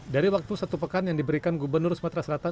dari waktu satu pekan yang diberikan gubernur sumatera selatan